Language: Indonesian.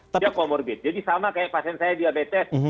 dia comorbid jadi sama kayak pasien saya diabetes